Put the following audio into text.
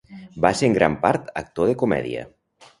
Va ser en gran part actor de comèdia.